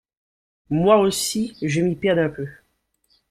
Moi aussi, je m’y perds un peu.